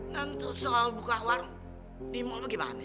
nanti soal buka warung di mall gimana